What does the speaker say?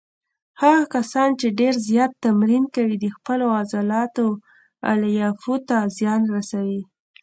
هغه کسان چې ډېر زیات تمرین کوي د خپلو عضلاتو الیافو ته زیان ورسوي.